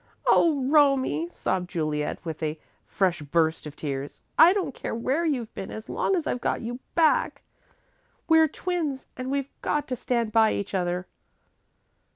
"Oh, Romie," sobbed Juliet, with a fresh burst of tears, "I don't care where you've been as long as I've got you back! We're twins and we've got to stand by each other!"